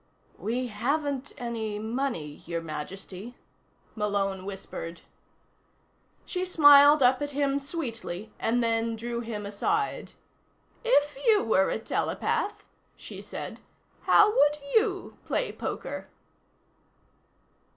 "We haven't any money, Your Majesty," Malone whispered. She smiled up at him sweetly, and then drew him aside. "If you were a telepath," she said, "how would you play poker?"